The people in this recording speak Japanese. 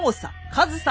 上総